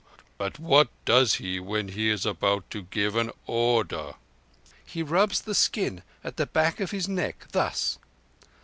But what does He when He is about to give an order?" "He rubs the skin at the back of his neck—thus.